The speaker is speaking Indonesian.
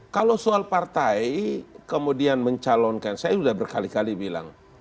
kalau soal partai kemudian mencalonkan saya sudah berkali kali bilang